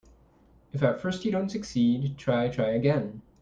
If at first you don't succeed, try, try again.